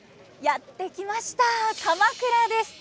やって来ました鎌倉です。